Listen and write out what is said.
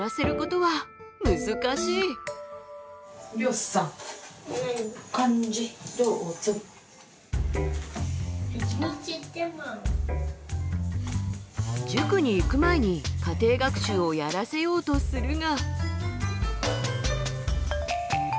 しかし塾に行く前に家庭学習をやらせようとするが。